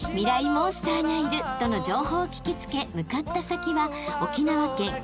モンスターがいるとの情報を聞き付け向かった先は］